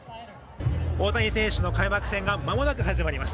大谷選手の開幕戦が間もなく始まります。